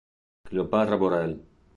Cleopatra Borel